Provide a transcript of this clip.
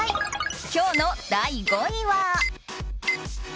今日の第５位は。